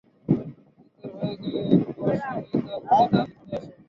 নিথর হয়ে গেলে ওয়াহশী তাঁর মৃতদেহের নিকটে আসে।